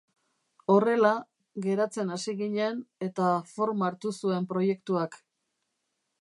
Horrela, geratzen hasi ginen eta forma hartu zuen proiektuak.